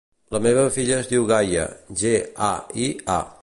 La meva filla es diu Gaia: ge, a, i, a.